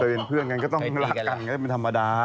เป็นเพื่อนกันก็ต้องรักกันก็เป็นธรรมดา